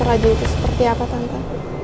raja itu seperti apa tante